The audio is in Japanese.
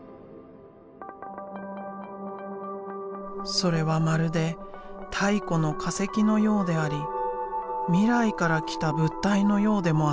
それはまるで太古の化石のようであり未来から来た物体のようでもあった。